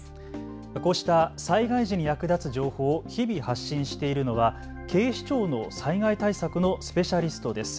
こうした災害時に役立つ情報を日々発信しているのは警視庁の災害対策のスペシャリストです。